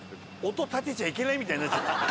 音立てちゃいけないみたいになっちゃって。